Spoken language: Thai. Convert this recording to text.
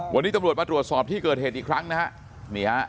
วันนี้ตำรวจมาตรวจสอบที่เกิดเหตุอีกครั้งนะฮะนี่ฮะ